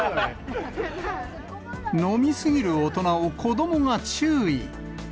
飲み過ぎる大人を子どもが注意。